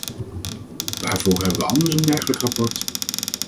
Waarvoor hebben we anders een dergelijk rapport?